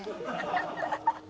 ハハハハ！